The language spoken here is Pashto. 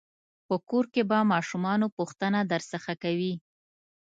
په کور کې به ماشومان پوښتنه درڅخه کوي.